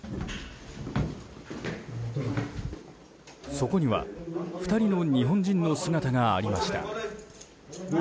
そこには２人の日本人の姿がありました。